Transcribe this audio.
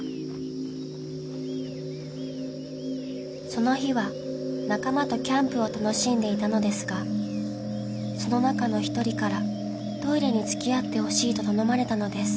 ［その日は仲間とキャンプを楽しんでいたのですがその中の一人からトイレに付き合ってほしいと頼まれたのです］